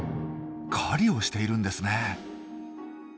狩りをしているんですね。